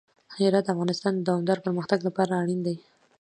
هرات د افغانستان د دوامداره پرمختګ لپاره اړین دي.